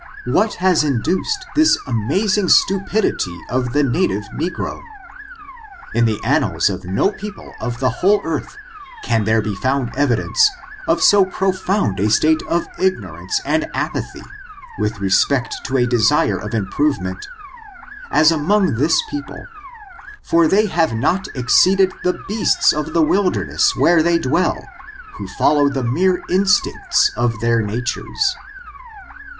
what has induced this amazing stu pidity of the native negro ? In the annals of no peo ple of the whole earth, can there be found evidence of so profound a state of ignorance and apathy, with respect to a desire of improvement, as among this people, for they have not exceeded the beasts of the wilderness, where they dwell, who follow the mere instincts of their natures.